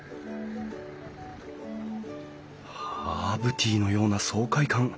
ハーブティーのような爽快感。